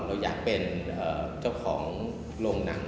เราอยากเป็นเจ้าของโรงหนัง